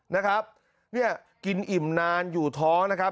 นะครับเนี่ยกินอิ่มนานอยู่ท้องนะครับ